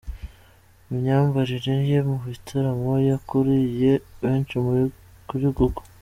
Imyambarire ye mu bitaramo, yakuruye benshi kuru Google.